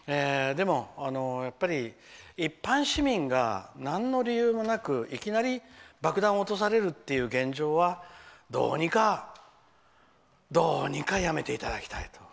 でも、やっぱり一般市民がなんの理由もなくいきなり爆弾を落とされるという現状はどうにかやめていただきたい。